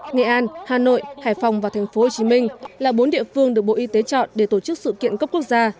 nghệ an hà nội hải phòng và tp hcm là bốn địa phương được bộ y tế chọn để tổ chức sự kiện cấp quốc gia